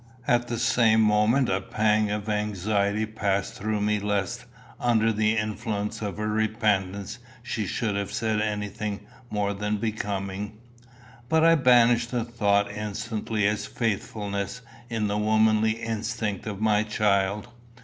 At the same moment a pang of anxiety passed through me lest under the influence of her repentance she should have said anything more than becoming. But I banished the doubt instantly as faithlessness in the womanly instincts of my child.